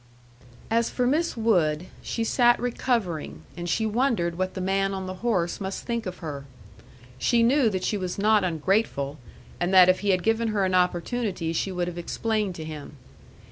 As for Miss Wood, she sat recovering, and she wondered what the man on the horse must think of her. She knew that she was not ungrateful, and that if he had given her an opportunity she would have explained to him.